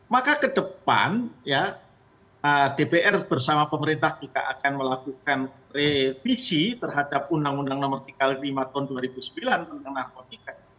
maka ke depan dpr bersama pemerintah juga akan melakukan revisi terhadap undang undang nomor tiga puluh lima tahun dua ribu sembilan tentang narkotika